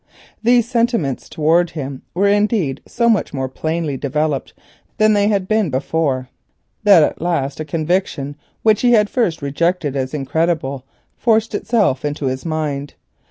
These qualities were indeed so much more plainly developed towards himself than they had been before, that at last a conviction which he at first rejected as incredible forced itself into his mind.